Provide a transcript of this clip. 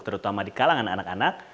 terutama di kalangan anak anak